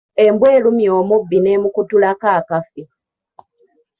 Embwa erumye omubbi n’emukutulako akafi.